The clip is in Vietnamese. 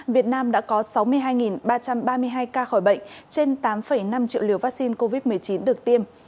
việt nam đã có sáu mươi hai ba trăm ba mươi hai ca khỏi bệnh trên tám năm triệu liều vaccine covid một mươi chín được tiêm